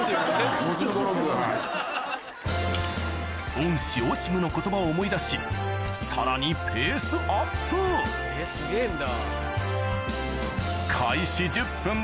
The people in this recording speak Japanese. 恩師オシムの言葉を思い出しさらにペースアップえっすげぇんだ。